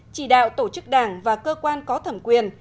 chỉ đạo tổ chức đảng và cơ quan có thẩm quyền